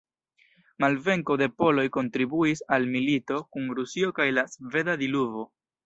Malvenko de poloj kontribuis al milito kun Rusio kaj la sveda diluvo.